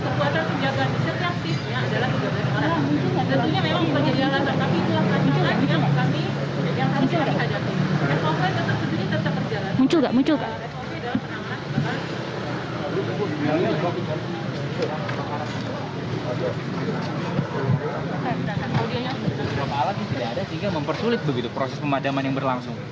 alatnya tidak ada sehingga mempersulit begitu proses pemadaman yang berlangsung